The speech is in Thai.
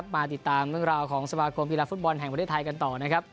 มาติดตามเรื่องราวของสมาคมกีฬาฟุตบอลแห่งประเทศไทยกันต่อนะครับ